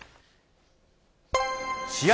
試合